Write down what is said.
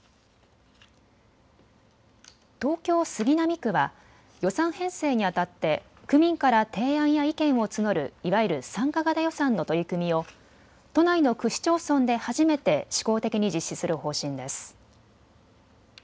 東京杉並区は予算編成にあたって区民から提案や意見を募るいわゆる参加型予算の取り組みを都内の区市町村で初めて試行的に実施する方針です。